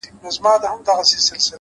نیک اخلاق خاموش عزت زېږوي’